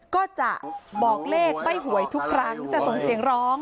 ก็จะบอกเลขใบ้หวยทุกครั้งจะส่งเสียงร้อง